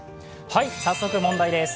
早速問題です。